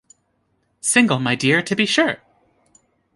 Single, my dear, to be sure!